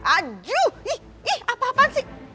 aduuh ih ih apapun sih